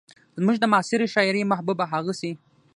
زموږ د معاصرې شاعرۍ محبوبه هغسې